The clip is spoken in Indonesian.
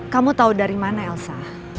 kamu tahu dari mana elsa